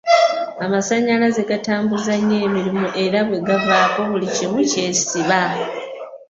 Amasannyalaze gatambuza nnyo emirimu era bwe gavaako buli kimu kyesiba.